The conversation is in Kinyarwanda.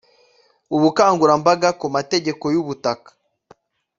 ubukangurambaga ku mategeko y ubutaka